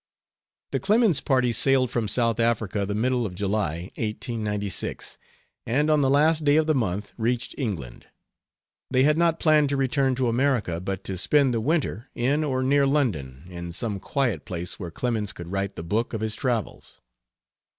......................... The Clemens party sailed from South Africa the middle of July, 1896, and on the last day of the month reached England. They had not planned to return to America, but to spend the winter in or near London in some quiet place where Clemens could write the book of his travels.